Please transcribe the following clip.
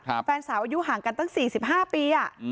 แฟนสาวอายุห่างกันตั้งสี่สิบห้าปีอ่ะ